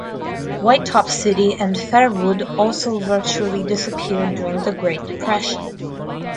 Whitetop City and Fairwood also virtually disappeared during the Great Depression.